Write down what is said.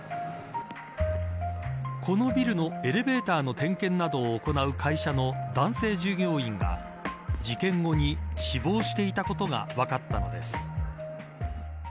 このビルのエレベーターの点検などを行う会社の男性従業員が事件後に死亡していたことが分かったのです。